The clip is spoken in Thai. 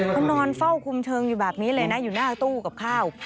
เขานอนเฝ้าคุมเชิงอยู่แบบนี้เลยนะอยู่หน้าตู้กับข้าว